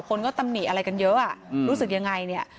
คนก็ตำหนิอะไรกันเยอะรู้สึกยังไงเนี่ย